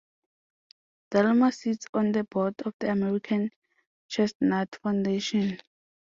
Delmer sits on the board of The American Chestnut Foundation.